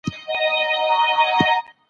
په ځمکه کي فساد کول لوی جرم دی.